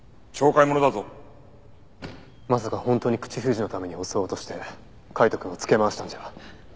まさか本当に口封じのために襲おうとして海斗くんをつけ回したんじゃ？